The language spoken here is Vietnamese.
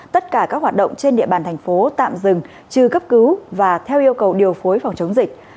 tất cả các hoạt động trên địa bàn thành phố tạm dừng trừ cấp cứu và theo yêu cầu điều phối phòng chống dịch